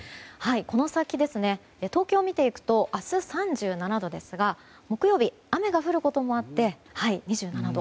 この先、東京を見ていくと明日、３７度ですが木曜日は雨が降ることもあって２７度。